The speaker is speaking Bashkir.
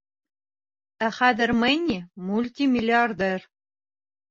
Ә хәҙер Мэнни — мультимиллиардер.